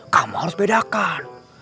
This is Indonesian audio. kamu harus bedakan